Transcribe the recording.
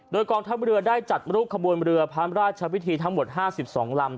โดยกองทัพเรือได้จัดรูปขบวนเรือพระราชวิธีทั้งหมด๕๒ลำ